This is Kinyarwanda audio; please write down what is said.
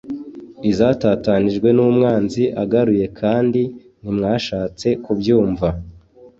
Izatatanijwe numwanzi agaruye kandi ntimwashatse kubyumva